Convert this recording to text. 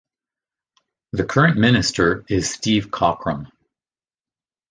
The current minister is Steve Cochrum.